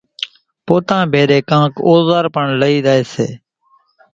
پوتا ڀيران ڪانڪ اوزار پڻ لئي زائي سي